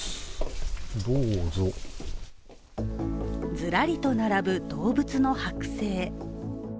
ずらりと並ぶ動物の剥製。